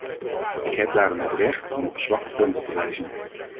Ik heb daarom het recht om op zwakke punten te wijzen.